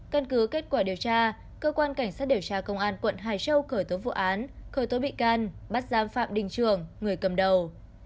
căn cứ kết quả điều tra cơ quan cảnh sát điều tra công an quận hải châu khởi tố vụ án khởi tố bị can bắt giam phạm đình trường người cầm đầu